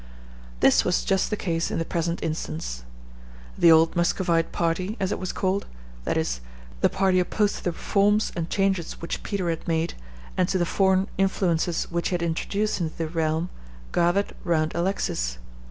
This was just the case in the present instance. The old Muscovite party, as it was called, that is, the party opposed to the reforms and changes which Peter had made, and to the foreign influences which he had introduced into the realm, gathered around Alexis.